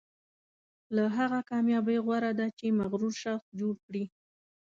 له هغه کامیابۍ غوره ده چې مغرور شخص جوړ کړي.